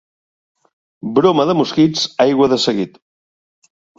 Broma de mosquits, aigua de seguit.